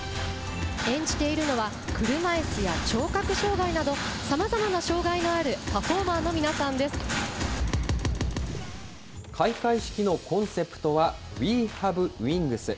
演じているのは、車いすや聴覚障害など、さまざまな障害のあるパフォーマーの皆さ開会式のコンセプトは、ＷＥＨＡＶＥＷＩＮＧＳ。